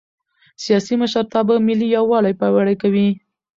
سیاسي مشرتابه ملي یووالی پیاوړی کوي